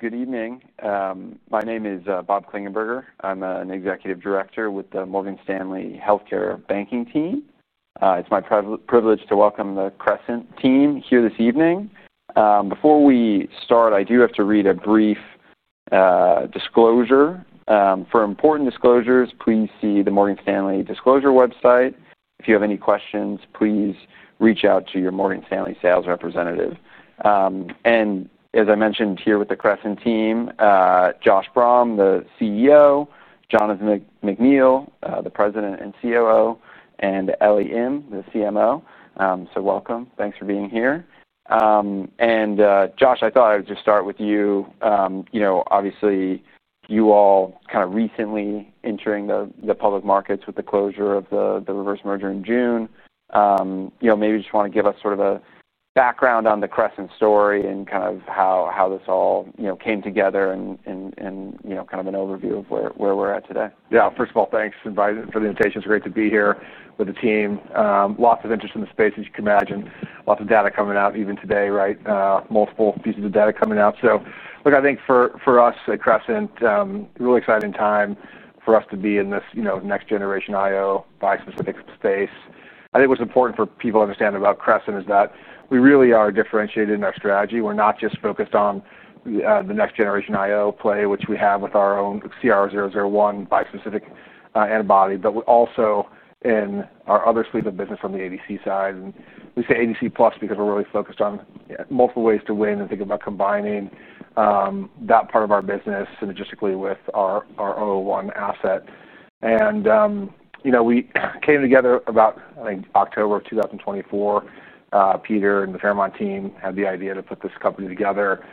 Good evening. My name is Bob Klingenberger. I'm an Executive Director with the Morgan Stanley Healthcare Banking Team. It's my privilege to welcome the Crescent Team here this evening. Before we start, I do have to read a brief disclosure. For important disclosures, please see the Morgan Stanley Disclosure website. If you have any questions please reach out to your Morgan Stanley sales representative. As I mentioned here with the Crescent Team are Josh Brumm, the CEO, Jonathan McNeil, the President and COO, and Ellie Im, the CMO. So welcome. Thanks for being here. Josh, I thought I would just start with you. Obviously, you all kind of recently entered the public markets with the closure of the reverse merger in June. Maybe you just want to give us sort of a background on the Crescent story and kind of how this all came together and an overview of where we're at today. Yeah. First of all, thanks for the invitation. It's great to be here with the team. Lots of interest in the space, as you can imagine. Lots of data coming out even today, right? Multiple pieces of data coming out. Look, I think for us at Crescent, really exciting time for us to be in this next-generation immuno-oncology bi-specific space. I think what's important for people to understand about Crescent is that, we really are differentiated in our strategy. We're not just focused on the next-generation immuno-oncology play, which we have with our own CR-001 bi-specific antibody, but we're also in our other sleeve of business on the ADC side. We say ADC Plus because we're really focused on multiple ways to win and think about combining that part of our business synergistically with our CR-001 asset. We came together about, I think October of 2024. Peter Harwin and the Fairmount team had the idea to put this company together.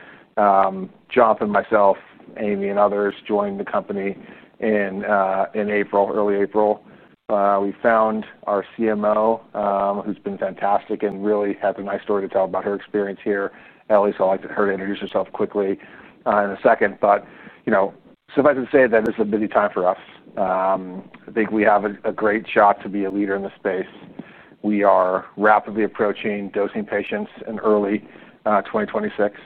Jonathan myself Ellie and others joined the company in early April. We found our CMO, who's been fantastic and really has a nice story to tell about her experience here. Ellie, so I'll like her to introduce herself quickly. Second thought. Suffice to say that this is a busy time for us. I think we have a great shot to be a leader in this space. We are rapidly approaching dosing patients in early 2026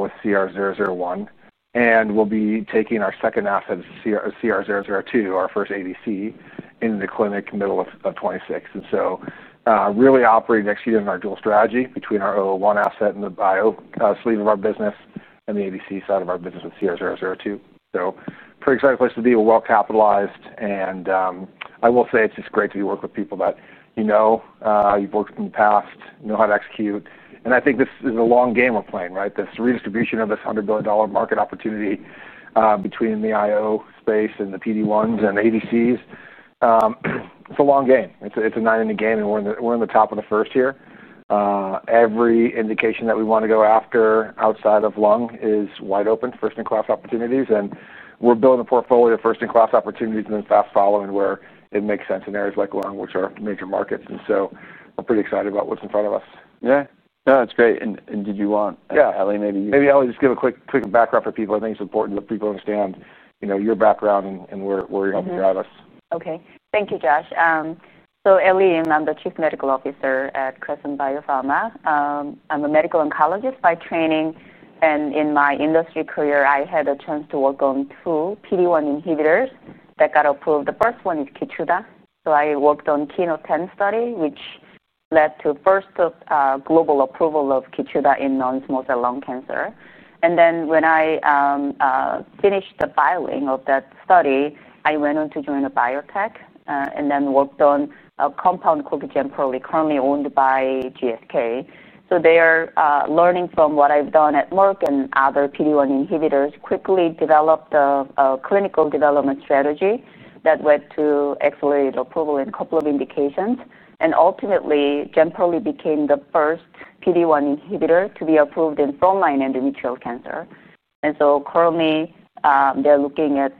with CR-001. We'll be taking our second asset, CR-002, our first ADC, into the clinic in the middle of 2026. Really operating next year in our dual strategy between our CR-001 asset in the bi-specific sleeve of our business and the ADC side of our business with CR-002. Pretty exciting place to be. We're well capitalized. I will say it's just great to be working with people that you know, you've worked with in the past, know how to execute. I think this is a long game we're playing, right? This redistribution of this $100 billion market opportunity, between the immuno-oncology space and the PD-1s and the ADCs. It's a long game. It's a nine-inning game, and we're in the top of the first here. Every indication that we want to go after outside of lung is wide open, first-in-class opportunities. We're building a portfolio of first-in-class opportunities and then fast-following where it makes sense in areas like lung, which are major markets. I'm pretty excited about what's in front of us. Yeah, that's great. Did you want Ellie maybe? Maybe Ellie, just give a quick background for people. I think it's important that people understand your background and where you helped us. Okay. Thank you Josh. Ellie, and I'm the Chief Medical Officer at Crescent Biopharma. I'm a medical oncologist by training. In my industry career, I had a chance to work on two PD-1 inhibitors that got approved. The first one is Keytruda. I worked on the KINO10 study, which led to the first global approval of Keytruda in non-small cell lung cancer. When I finished the piling of that study, I went on to join a biotech and then worked on a compound Cogentrol, currently owned by GSK. They are learning from what I've done at Merck and other PD-1 inhibitors, quickly developed a clinical development strategy that led to excellent approval in a couple of indications. Ultimately, Cogentrol became the first PD-1 inhibitor to be approved in frontline endometrial cancer. Currently, they're looking at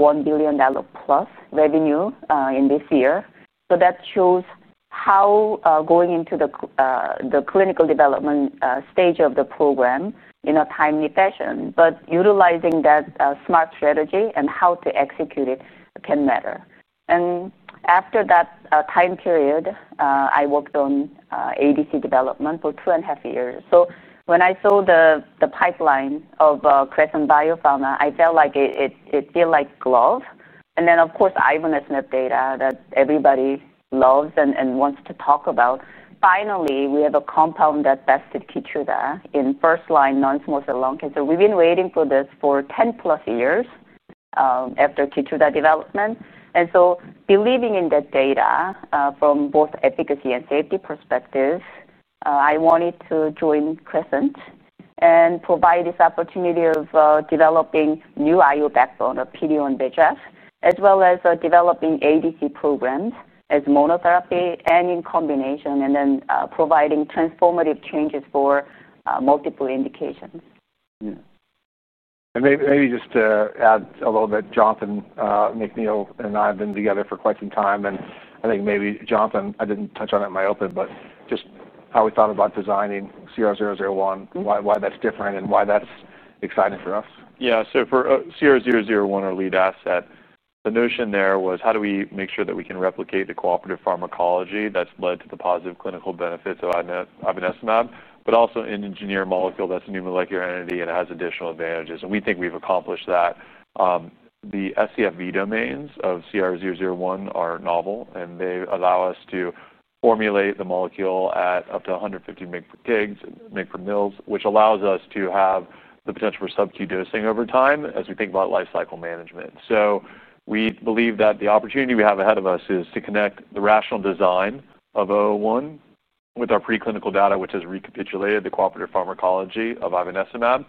$1 billion plus revenue in this year. That shows how going into the clinical development stage of the program in a timely fashion, but utilizing that smart strategy and how to execute it can matter. After that time period, I worked on ADC development for two and a half years. When I saw the pipeline of Crescent Biopharma, I felt like it feels like glove. Of course, ibinastinab has met data that everybody loves and wants to talk about. Finally, we have a compound that tested Keytruda in first-line non-small cell lung cancer. We've been waiting for this for 10-plus years after Keytruda development. Believing in that data, from both efficacy and safety perspectives, I wanted to join Crescent and provide this opportunity of developing new IO backbone of PD-1/VEGF, as well as developing ADC programs as monotherapy and in combination, and then providing transformative changes for multiple indications. Yeah. Maybe just to add a little bit, Jonathan McNeil and I have been together for quite some time. I think maybe, Jonathan, I didn't touch on it in my open, but just how we thought about designing CR-001, why that's different, and why that's exciting for us. Yeah. For CR-001, our lead asset, the notion there was how do we make sure that we can replicate the cooperative pharmacology that's led to the positive clinical benefits of ibinastinab, but also engineer a molecule that's a new molecular entity and has additional advantages. We think we've accomplished that. The SCFV domains of CR-001 are novel, and they allow us to formulate the molecule at up to 150 micromoles, which allows us to have the potential for subcutaneous dosing over time as we think about lifecycle management. We believe that the opportunity we have ahead of us is to connect the rational design of 001 with our preclinical data, which has recapitulated the cooperative pharmacology of ibinastinab,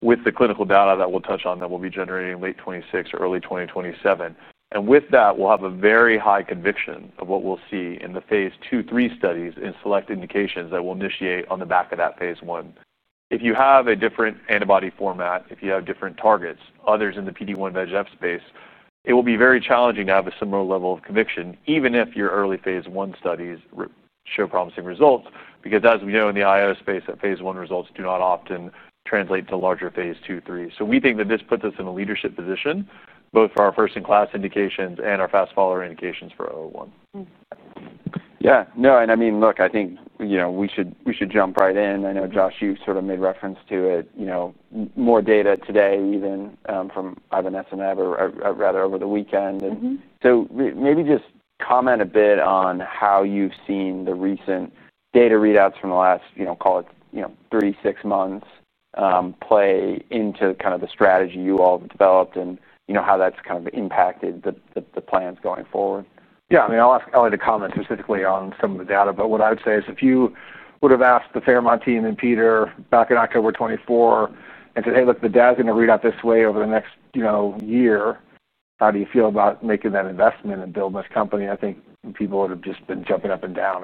with the clinical data that we'll touch on that we'll be generating in late 2026 or early 2027. With that, we'll have a very high conviction of what we'll see in the phase two, three studies in select indications that we'll initiate on the back of that phase one. If you have a different antibody format, if you have different targets, others in the PD-1/VEGF space, it will be very challenging to have a similar level of conviction, even if your early phase one studies show promising results. As we know in the IO space, phase one results do not often translate to larger phase two, three. We think that this puts us in a leadership position, both for our first-in-class indications and our fast-follower indications for 001. Yeah. I think we should jump right in. I know, Josh, you sort of made reference to it, more data today, even, from ibinastinab, rather, over the weekend. Maybe just comment a bit on how you've seen the recent data readouts from the last, call it, three, six months, play into the strategy you all have developed and how that's impacted the plans going forward. Yeah. I mean, I'll ask Ellie to comment specifically on some of the data. What I would say is if you would have asked the Fairmount team and Peter Harwin back in October 2024 and said, "Hey, look, the data is going to read out this way over the next, you know, year. How do you feel about making that investment and building this company?" I think people would have just been jumping up and down.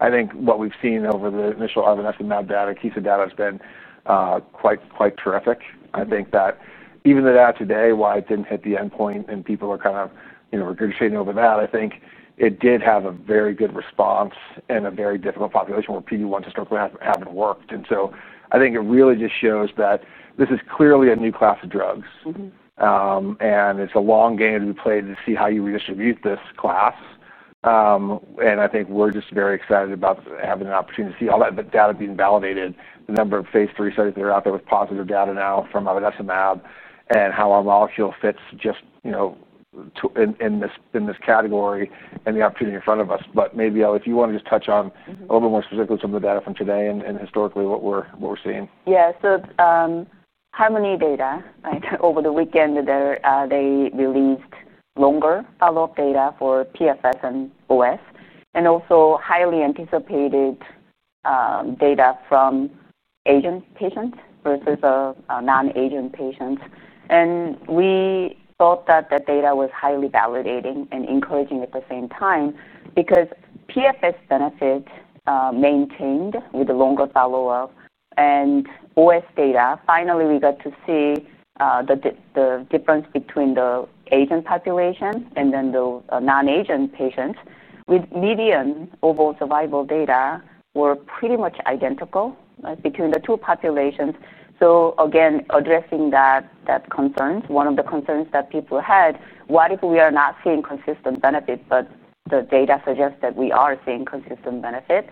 I think what we've seen over the initial ibinastinab data, KISA Bio data has been quite, quite terrific. I think that even the data today, why it didn't hit the endpoint and people are kind of, you know, regurgitating over that, I think it did have a very good response in a very difficult population where PD-1s historically haven't worked. I think it really just shows that this is clearly a new class of drugs. It's a long game to be played to see how you redistribute this class. I think we're just very excited about having an opportunity to see all that data being validated, the number of phase three studies that are out there with positive data now from ibinastinab, and how our molecule fits just, you know, in this category and the opportunity in front of us. Maybe, Ellie, if you want to just touch on a little bit more specifically some of the data from today and historically what we're seeing. Yeah. Harmony data, right, over the weekend, they released longer outlook data for PFS and OS, and also highly anticipated data from Asian patients versus non-Asian patients. We thought that data was highly validating and encouraging at the same time because PFS benefits maintained with the longer follow-up. OS data, finally, we got to see the difference between the Asian population and the non-Asian patients, with median overall survival data pretty much identical between the two populations. Again, addressing that concern, one of the concerns that people had, what if we are not seeing consistent benefit, but the data suggests that we are seeing consistent benefit.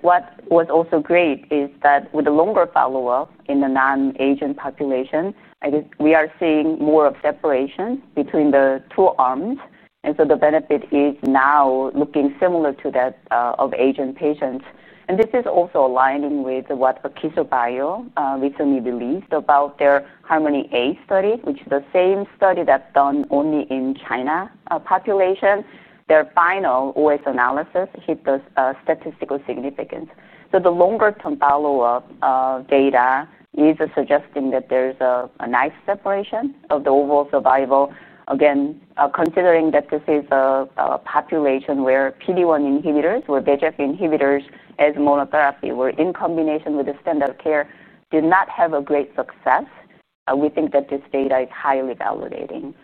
What was also great is that with the longer follow-up in the non-Asian population, I think we are seeing more of a separation between the two arms, and the benefit is now looking similar to that of Asian patients. This is also aligning with what KISA Bio recently released about their Harmony A study, which is the same study that's done only in the China population. Their final OS analysis hit the statistical significance. The longer-term follow-up data is suggesting that there's a nice separation of the overall survival. Again, considering that this is a population where PD-1 inhibitors, where VEGF inhibitors as monotherapy, or in combination with the standard of care, did not have great success. We think that this data is highly validating.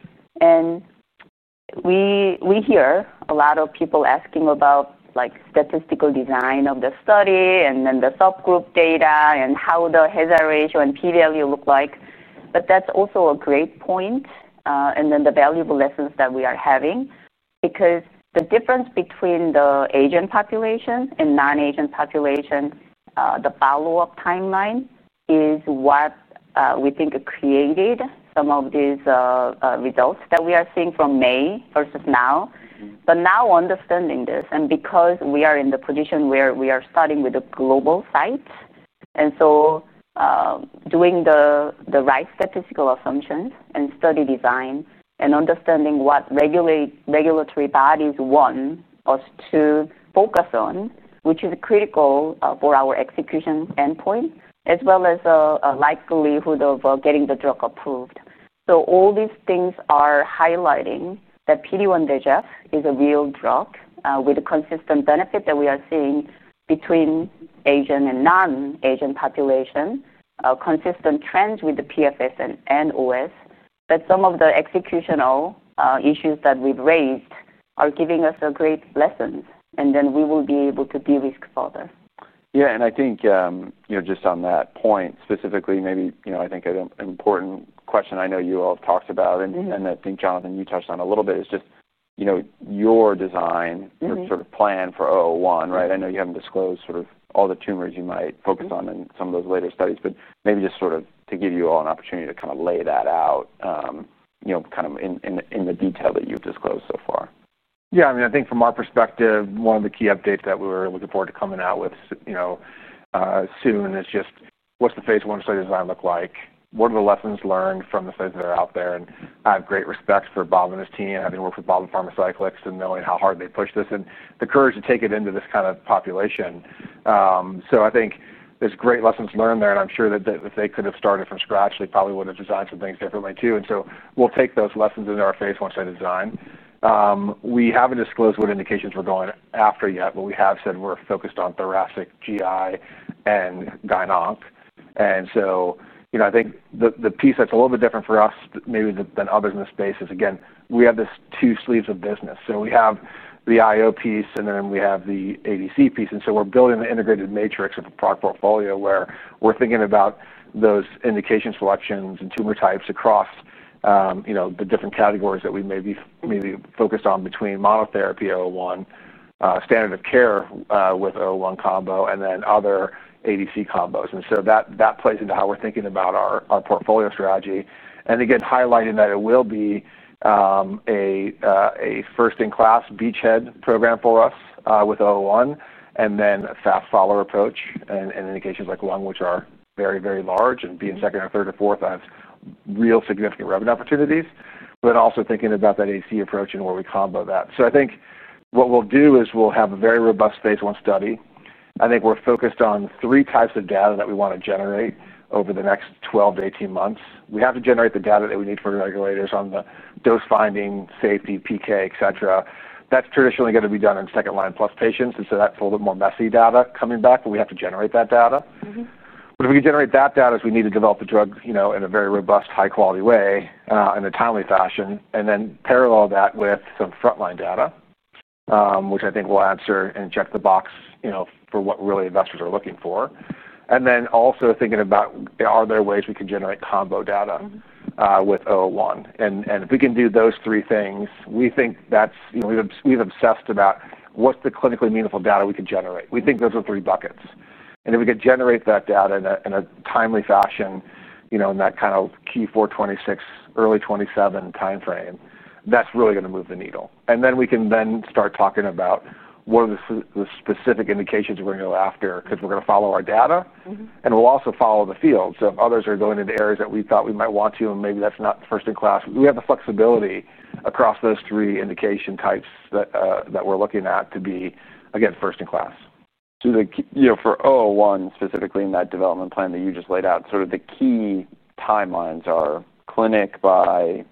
We hear a lot of people asking about statistical design of the study and the subgroup data and how the hazard ratio and p-value look like. That's also a great point, and the valuable lessons that we are having because the difference between the Asian population and non-Asian population, the follow-up timeline is what we think created some of these results that we are seeing from May versus now. Now understanding this, and because we are in the position where we are starting with a global site, doing the right statistical assumptions and study design and understanding what regulatory bodies want us to focus on, which is critical for our execution endpoint as well as the likelihood of getting the drug approved. All these things are highlighting that PD-1 VEGF is a real drug with a consistent benefit that we are seeing between Asian and non-Asian population, a consistent trend with the PFS and OS. Some of the executional issues that we've raised are giving us a great lesson, and we will be able to de-risk further. Yeah. I think just on that point specifically, an important question I know you all have talked about, and I think, Jonathan, you touched on a little bit, is just your design, your sort of plan for CR-001, right? I know you haven't disclosed all the tumors you might focus on in some of those later studies, but maybe just to give you all an opportunity to lay that out in the detail that you've disclosed so far. Yeah. I mean, I think from our perspective, one of the key updates that we're looking forward to coming out with soon is just what's the phase one study design look like? What are the lessons learned from the studies that are out there? I have great respect for Bob and his team. I've been working with Bob and Pharmaceuticals and knowing how hard they pushed this and the courage to take it into this kind of population. I think there's great lessons learned there. I'm sure that if they could have started from scratch, they probably would have designed some things differently too. We'll take those lessons into our phase one study design. We haven't disclosed what indications we're going after yet, but we have said we're focused on thoracic, GI, and gynoch. I think the piece that's a little bit different for us maybe than others in this space is, again, we have these two sleeves of business. We have the IO piece, and then we have the ADC piece. We're building the integrated matrix of a product portfolio where we're thinking about those indication selections and tumor types across the different categories that we may be focused on between monotherapy O01, standard of care with O01 combo, and then other ADC combos. That plays into how we're thinking about our portfolio strategy. Again, highlighting that it will be a first-in-class beachhead program for us, with O01, and then a fast-follower approach in indications like lung, which are very, very large, and being second or third or fourth, that's real significant revenue opportunities. Also thinking about that ADC approach and where we combo that. I think what we'll do is we'll have a very robust phase one study. I think we're focused on three types of data that we want to generate over the next 12 to 18 months. We have to generate the data that we need for regulators on the dose finding, safety, PK, etc. That's traditionally going to be done in second-line plus patients. That's a little bit more messy data coming back, but we have to generate that data. What if we can generate that data as we need to develop the drug in a very robust, high-quality way, in a timely fashion, and then parallel that with some frontline data, which I think will answer and check the box for what really investors are looking for. Also thinking about, are there ways we can generate combo data with CR-001? If we can do those three things, we've obsessed about what's the clinically meaningful data we could generate. We think those are three buckets, and if we could generate that data in a timely fashion, in that kind of Q4 2026, early 2027 timeframe, that's really going to move the needle. We can then start talking about what are the specific indications we're going to go after because we're going to follow our data, and we'll also follow the field. If others are going into areas that we thought we might want to, and maybe that's not first-in-class, we have the flexibility across those three indication types that we're looking at to be, again, first-in-class. For CR-001 specifically, in that development plan that you just laid out, the key timelines are clinic by,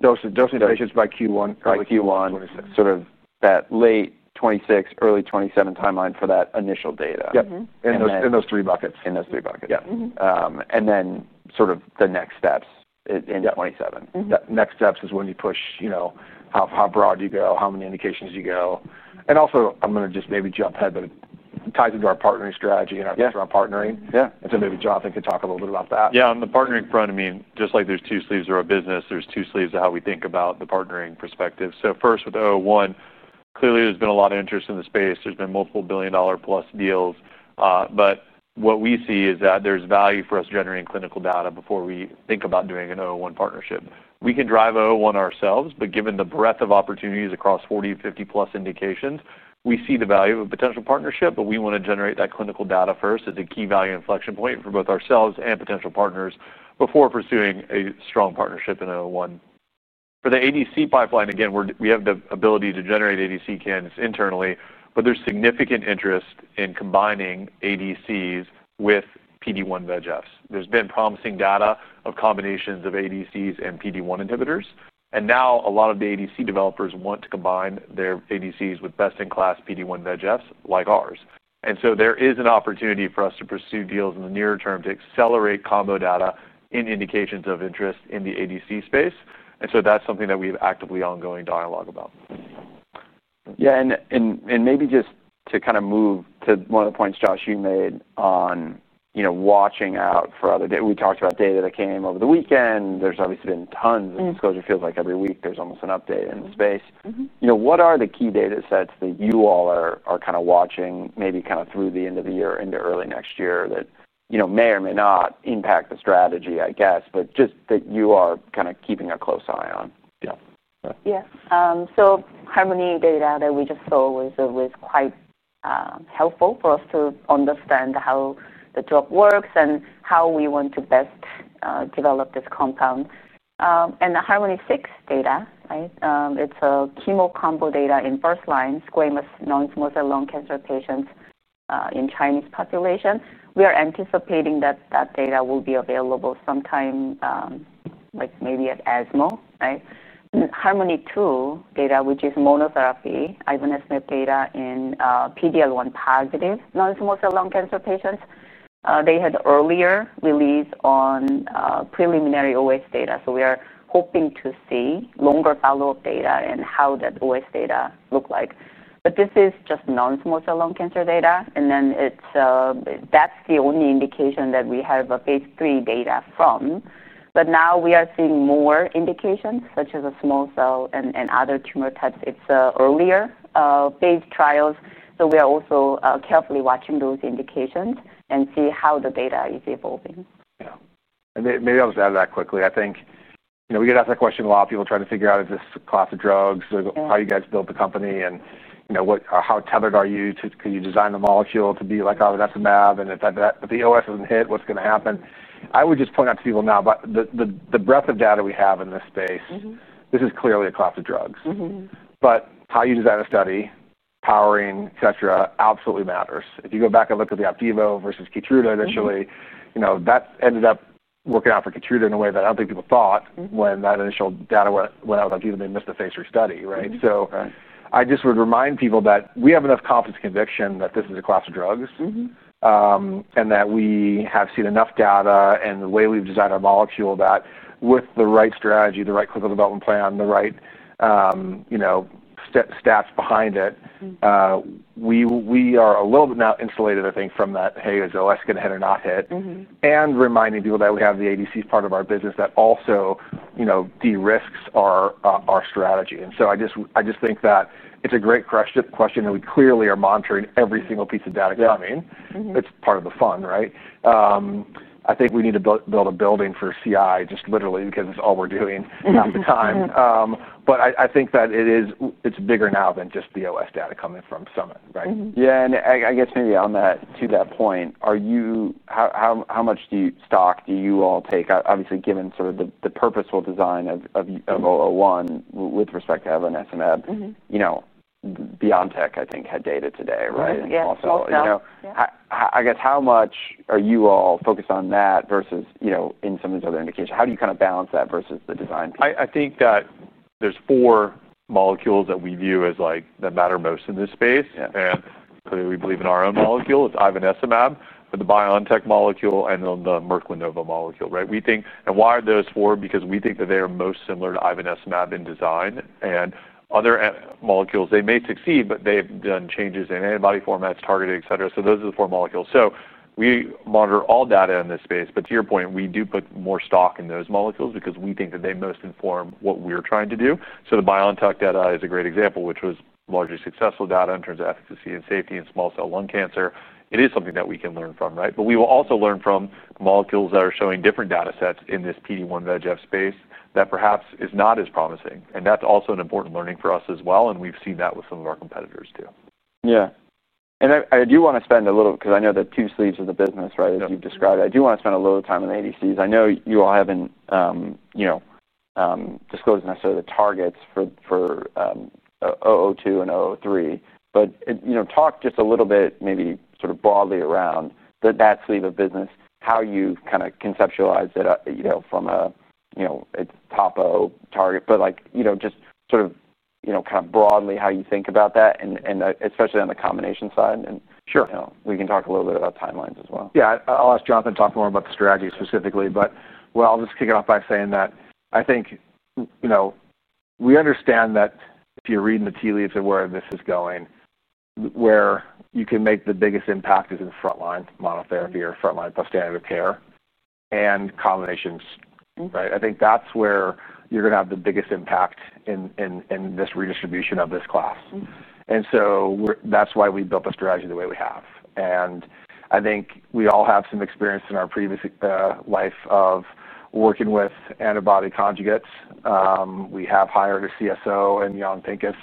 dosing patients by Q1. By Q1. Sort of that late 2026, early 2027 timeline for that initial data. Yep, in those three buckets. In those three buckets. Yeah. The next steps are in 2027. Next steps is when you push, you know, how broad you go, how many indications you go. I'm going to just maybe jump ahead, but it ties into our partnering strategy and our partnering. Yeah. Maybe Jonathan could talk a little bit about that. Yeah. On the partnering front, just like there's two sleeves of our business, there's two sleeves of how we think about the partnering perspective. First with CR-001, clearly there's been a lot of interest in the space. There's been multiple billion-dollar plus deals, but what we see is that there's value for us generating clinical data before we think about doing a CR-001 partnership. We can drive CR-001 ourselves, but given the breadth of opportunities across 40, 50-plus indications, we see the value of a potential partnership, but we want to generate that clinical data first as a key value inflection point for both ourselves and potential partners before pursuing a strong partnership in CR-001. For the ADC pipeline, we have the ability to generate ADC candidates internally, but there's significant interest in combining ADCs with PD-1/VEGF bi-specifics. There's been promising data of combinations of ADCs and PD-1 inhibitors. Now a lot of the ADC developers want to combine their ADCs with best-in-class PD-1/VEGF bi-specifics like ours. There is an opportunity for us to pursue deals in the near term to accelerate combo data in indications of interest in the ADC space. That's something that we have actively ongoing dialogue about. Maybe just to move to one of the points, Josh, you made on watching out for other data. We talked about data that came over the weekend. There's obviously been tons of disclosure. It feels like every week there's almost an update in the space. What are the key data sets that you all are kind of watching maybe through the end of the year into early next year that may or may not impact the strategy, I guess, but just that you are kind of keeping a close eye on? Yeah. Yeah. Harmony data that we just saw was quite helpful for us to understand how the drug works and how we want to best develop this compound. The Harmony 6 data, right? It's a chemo combo data in first-line squamous non-small cell lung cancer patients in Chinese population. We are anticipating that data will be available sometime, like maybe at ESMO, right? Harmony 2 data, which is monotherapy ibinastinab data in PD-L1 positive non-small cell lung cancer patients, had earlier release on preliminary OS data. We are hoping to see longer follow-up data and how that OS data looks like. This is just non-small cell lung cancer data. That's the only indication that we have phase 3 data from. Now we are seeing more indications such as small cell and other tumor types. It's an earlier phase trial. We are also carefully watching those indications and see how the data is evolving. Yeah. Maybe I'll just add to that quickly. I think, you know, we get asked that question a lot. People are trying to figure out if this is a class of drugs. How do you guys build the company? You know, how tethered are you to could you design the molecule to be like ibinastinab? If that, but the OS doesn't hit, what's going to happen? I would just point out to people now about the breadth of data we have in this space. This is clearly a class of drugs. Mm-hmm. How you design a study, powering, etc., absolutely matters. If you go back and look at the Opdivo versus Keytruda initially, you know, that ended up working out for Keytruda in a way that I don't think people thought when that initial data went out with Opdivo, they missed the phase three study, right? I just would remind people that we have enough confidence and conviction that this is a class of drugs. Mm-hmm. We have seen enough data and the way we've designed our molecule that with the right strategy, the right clinical development plan, the right, you know, stats behind it, we are a little bit now insulated, I think, from that, hey, is OS going to hit or not hit? Mm-hmm. Reminding people that we have the ADC part of our business that also, you know, de-risks our strategy. I just think that it's a great question, and we clearly are monitoring every single piece of data coming. It's part of the fun, right? I think we need to build a building for CI just literally because it's all we're doing half the time. I think that it is bigger now than just the OS data coming from Summit, right? Yeah. I guess maybe to that point, how much stock do you all take? Obviously, given the purposeful design of CR-001 with respect to ibinastinab, BioNTech, I think, had data today, right? Yeah. How much are you all focused on that versus in some of these other indications? How do you kind of balance that versus the design? I think that there's four molecules that we view as like that matter most in this space. Yeah, clearly, we believe in our own molecule. It's ibinastinab, but the BioNTech molecule, and then the Merck Lenovo molecule, right? We think, and why are those four? Because we think that they are most similar to ibinastinab in design. Other molecules, they may succeed, but they've done changes in antibody formats, targeted, etc. Those are the four molecules. We monitor all data in this space. To your point, we do put more stock in those molecules because we think that they most inform what we're trying to do. The BioNTech data is a great example, which was largely successful data in terms of efficacy and safety in small cell lung cancer. It is something that we can learn from, right? We will also learn from molecules that are showing different data sets in this PD-1/VEGF bi-specific space that perhaps is not as promising. That's also an important learning for us as well. We've seen that with some of our competitors too. Yeah. I do want to spend a little because I know the two sleeves of the business, right, as you've described it. I do want to spend a little time on the ADCs. I know you all haven't disclosed necessarily the targets for CR-002 and CR-003. Talk just a little bit maybe sort of broadly around that sleeve of business, how you've kind of conceptualized it, from a top O target. Just sort of broadly how you think about that, especially on the combination side. Sure, we can talk a little bit about timelines as well. Yeah. I'll ask Jonathan to talk more about the strategy specifically. I'll just kick it off by saying that I think, you know, we understand that if you're reading the tea leaves of where this is going, where you can make the biggest impact is in frontline monotherapy or frontline standard of care and combinations, right? I think that's where you're going to have the biggest impact in this redistribution of this class. That's why we built the strategy the way we have. I think we all have some experience in our previous life of working with antibody-drug conjugates. We have hired a Chief Scientific Officer in Jan Pinkus,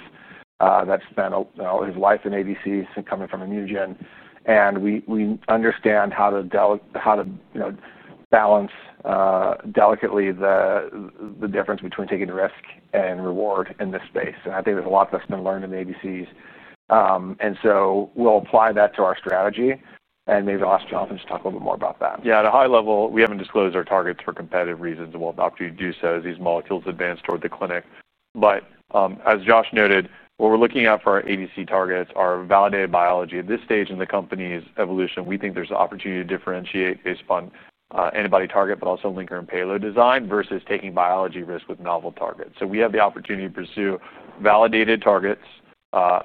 that spent his life in ADCs coming from ImmunoGen. We understand how to, you know, balance, delicately the difference between taking the risk and reward in this space. I think there's a lot that's been learned in the ADCs, and we'll apply that to our strategy. Maybe I'll ask Jonathan to talk a little bit more about that. Yeah. At a high level, we haven't disclosed our targets for competitive reasons. We'll adopt you to do so as these molecules advance toward the clinic. As Josh noted, what we're looking at for our ADC targets are validated biology. At this stage in the company's evolution, we think there's an opportunity to differentiate based upon antibody target, but also linker and payload design versus taking biology risk with novel targets. We have the opportunity to pursue validated targets.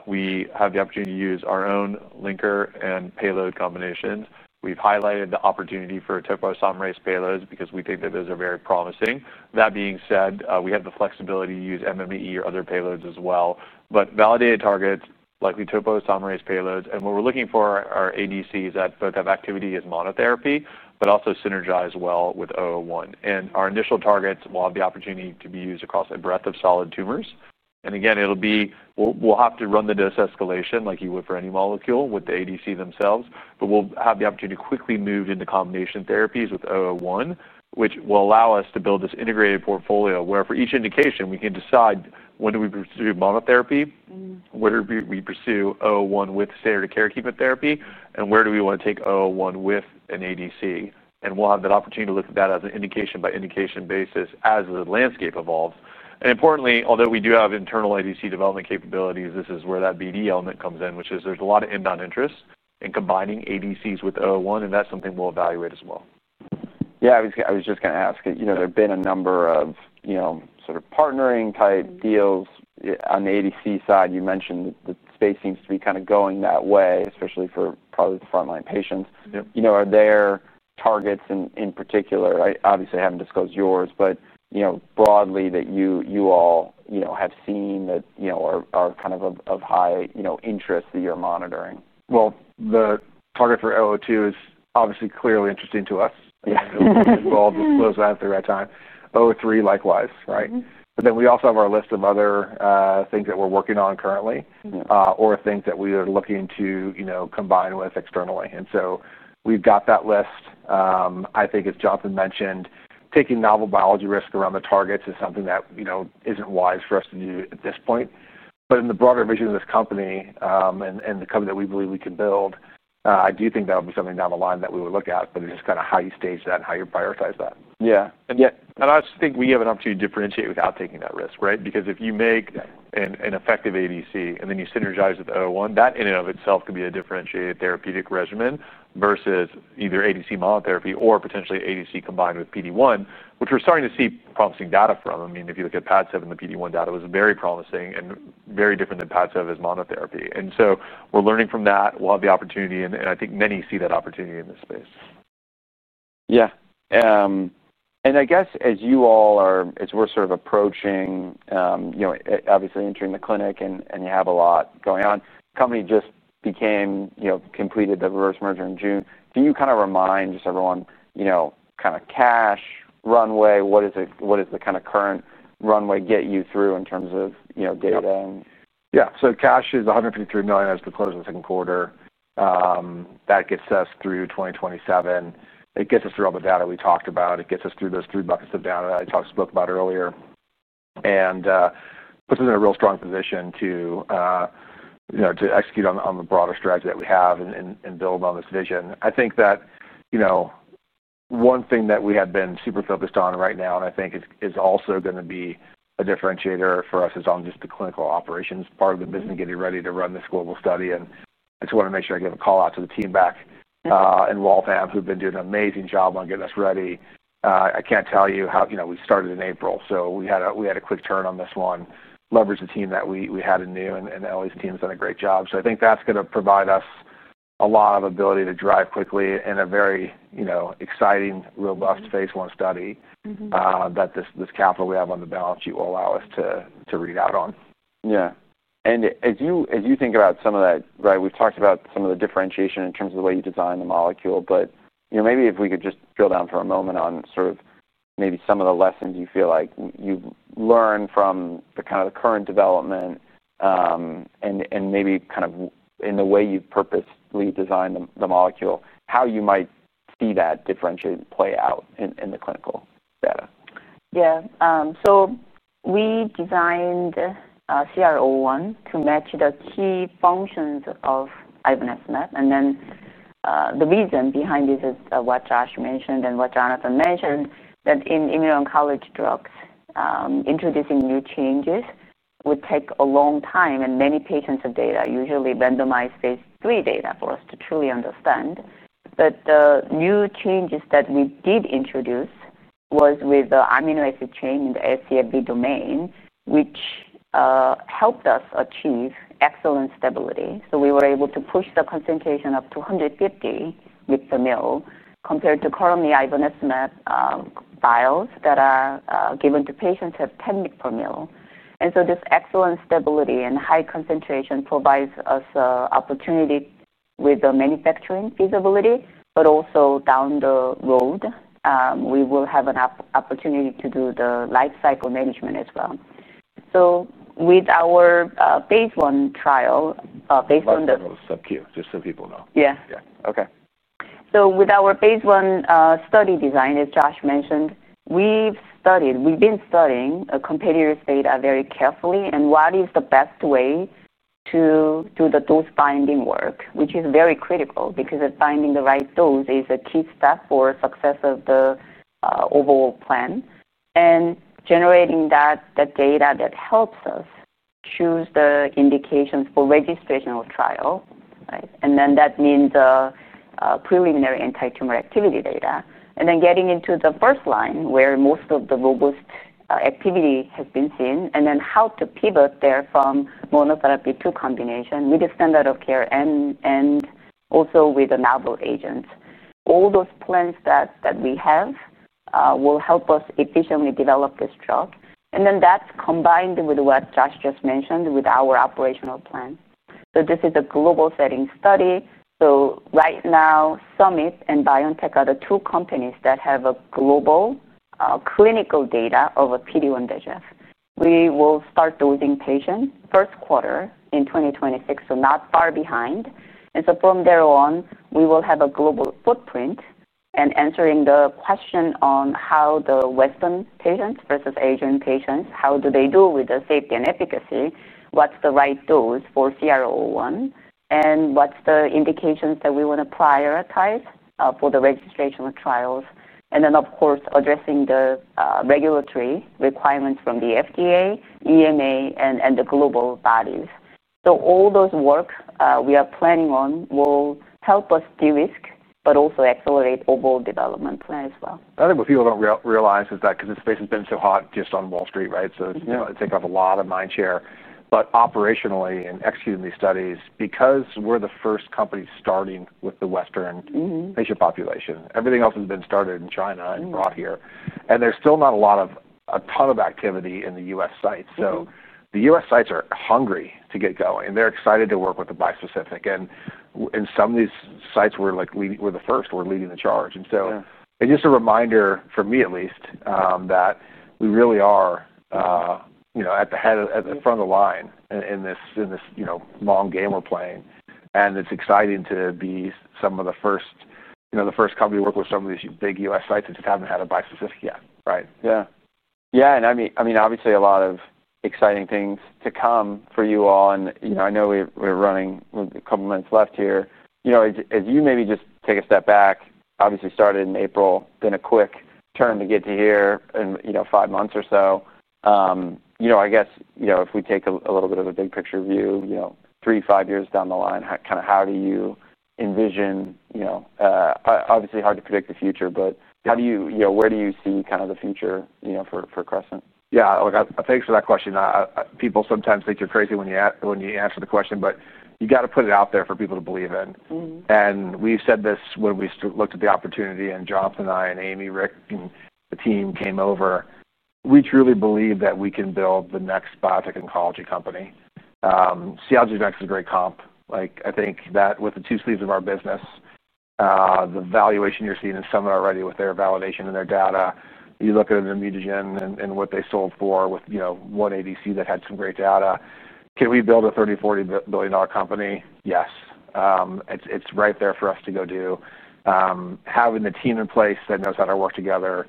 We have the opportunity to use our own linker and payload combinations. We've highlighted the opportunity for topoisomerase payloads because we think that those are very promising. That being said, we have the flexibility to use MME or other payloads as well. Validated targets, likely topoisomerase payloads. What we're looking for are ADCs that both have activity as monotherapy, but also synergize well with CR-001. Our initial targets will have the opportunity to be used across a breadth of solid tumors. It'll be necessary to run the dose escalation like you would for any molecule with the ADC themselves. We'll have the opportunity to quickly move into combination therapies with CR-001, which will allow us to build this integrated portfolio where for each indication, we can decide when do we pursue monotherapy, where do we pursue CR-001 with standard of care chemotherapy, and where do we want to take CR-001 with an ADC. We'll have that opportunity to look at that as an indication-by-indication basis as the landscape evolves. Importantly, although we do have internal ADC development capabilities, this is where that BD element comes in, which is there's a lot of inbound interest in combining ADCs with CR-001. That's something we'll evaluate as well. Yeah, I was just going to ask, you know, there have been a number of, you know, sort of partnering type deals on the ADC side. You mentioned that the space seems to be kind of going that way, especially for probably the frontline patients. Are there targets in particular? I obviously haven't disclosed yours, but broadly that you all have seen that are kind of of high interest that you're monitoring? The target for CR-002 is obviously clearly interesting to us. We'll all disclose that at the right time. CR-003 likewise, right? We also have our list of other things that we're working on currently, or things that we are looking to, you know, combine with externally. We've got that list. I think as Jonathan mentioned, taking novel biology risk around the targets is something that, you know, isn't wise for us to do at this point. In the broader vision of this company, and the company that we believe we can build, I do think that would be something down the line that we would look at, but it's just kind of how you stage that and how you prioritize that. Yeah, I think we have an opportunity to differentiate without taking that risk, right? Because if you make an effective ADC and then you synergize with CR-001, that in and of itself could be a differentiated therapeutic regimen versus either ADC monotherapy or potentially ADC combined with PD-1, which we're starting to see promising data from. I mean, if you look at CR-003, the PD-1 data was very promising and very different than CR-003 as monotherapy. We're learning from that. We'll have the opportunity, and I think many see that opportunity in this space. Yeah. As you all are, as we're sort of approaching, you know, obviously entering the clinic and you have a lot going on, the company just became, you know, completed the reverse merger in June. Can you kind of remind just everyone, you know, kind of cash runway, what is it, what is the kind of current runway get you through in terms of, you know, data? Yeah. Cash is $153 million as we close the second quarter. That gets us through 2027. It gets us through all the data we talked about. It gets us through those three buckets of data that I talked about earlier, and puts us in a real strong position to execute on the broader strategy that we have and build on this vision. I think that one thing that we have been super focused on right now, and I think is also going to be a differentiator for us, is just the clinical operations part of the business and getting ready to run this global study. I just want to make sure I give a call out to the team back in Waltham, who've been doing an amazing job on getting us ready. I can't tell you how we started in April. We had a quick turn on this one, leveraged the team that we had in New, and Ellie's team has done a great job. I think that's going to provide us a lot of ability to drive quickly in a very exciting, robust phase one study that this capital we have on the balance sheet will allow us to read out on. Yeah. As you think about some of that, we've talked about some of the differentiation in terms of the way you design the molecule. Maybe if we could just drill down for a moment on some of the lessons you feel like you learned from the current development, and in the way you purposely designed the molecule, how you might see that differentiated play out in the clinical data. Yeah. So we designed CR-001 to match the key functions of ibinastinab. The reason behind this is what Josh mentioned and what Jonathan mentioned, that in immuno-oncology drugs, introducing new changes would take a long time. Many patients of data usually randomize phase three data for us to truly understand. The new changes that we did introduce were with the amino acid chain in the SCAB domain, which helped us achieve excellent stability. We were able to push the concentration up to 150 micrometers per mL compared to currently ibinastinab vials that are given to patients at 10 micrometers per mL. This excellent stability and high concentration provides us an opportunity with the manufacturing feasibility, but also down the road, we will have an opportunity to do the life cycle management as well. With our phase one study design, as Josh mentioned, we've studied, we've been studying competitors' data very carefully and what is the best way to do the dose binding work, which is very critical because finding the right dose is a key step for the success of the overall plan. Generating that data helps us choose the indications for registration or trial, right? That means preliminary anti-tumor activity data, and then getting into the first line where most of the robust activity has been seen. Then how to pivot there from monotherapy to combination with the standard of care and also with the novel agents. All those plan steps that we have will help us efficiently develop this drug. That's combined with what Josh just mentioned with our operational plan. This is a global setting study. Right now, Summit Therapeutics and BioNTech are the two companies that have global clinical data of a PD-1/VEGF bi-specific. We will start dosing patients first quarter in 2026, so not far behind. From there on, we will have a global footprint and answering the question on how the Western patients versus Asian patients, how do they do with the safety and efficacy, what's the right dose for CR-001, and what's the indications that we want to prioritize for the registration trials. Of course, addressing the regulatory requirements from the FDA, EMA, and the global bodies. All those work we are planning on will help us de-risk, but also accelerate overall development plan as well. I think what people don't realize is that because this space has been so hot just on Wall Street, right? It's taken up a lot of mind share. Operationally, in executing these studies, because we're the first company starting with the Western patient population, everything else has been started in China and brought here. There's still not a ton of activity in the U.S. sites. The U.S. sites are hungry to get going, and they're excited to work with the bi-specific. In some of these sites, we're leading, we're the first. We're leading the charge. It's just a reminder for me, at least, that we really are at the head of the front of the line in this long game we're playing. It's exciting to be some of the first, the first company to work with some of these big U.S. sites that just haven't had a bi-specific yet, right? Yeah. Obviously, a lot of exciting things to come for you all. I know we're running a couple of minutes left here. As you maybe just take a step back, obviously, started in April, been a quick turn to get to here in five months or so. I guess if we take a little bit of a big picture view, three, five years down the line, how do you envision, obviously, hard to predict the future, but how do you, where do you see the future for Crescent? Yeah. Thanks for that question. People sometimes think you're crazy when you answer the question, but you got to put it out there for people to believe in. We've said this when we looked at the opportunity and Jonathan and I and Amy, Rick, and the team came over. We truly believe that we can build the next biotech oncology company. CLG Next is a great comp. I think that with the two sleeves of our business, the valuation you're seeing in Summit already with their validation and their data, you look at ImmunoGen and what they sold for with, you know, one ADC that had some great data. Can we build a $30-40 billion company? Yes. It's right there for us to go do. Having the team in place that knows how to work together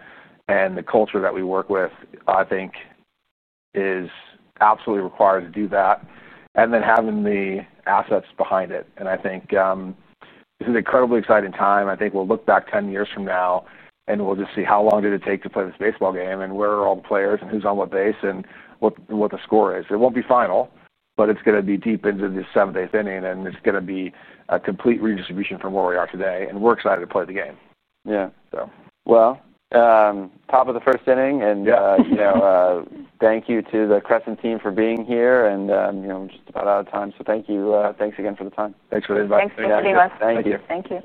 and the culture that we work with, I think, is absolutely required to do that. Having the assets behind it, I think this is an incredibly exciting time. I think we'll look back 10 years from now and we'll just see how long did it take to play this baseball game and where are all the players, who's on what base, and what the score is. It won't be final, but it's going to be deep into the seventh-eighth inning and it's going to be a complete redistribution from where we are today. We're excited to play the game. Top of the first inning. Thank you to the Crescent team for being here. I'm just about out of time, so thank you again for the time. Thanks for the invite. Thanks, everyone. Thank you. Thank you.